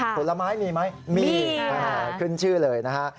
ผลไม้มีไหมมีขึ้นชื่อเลยนะฮะ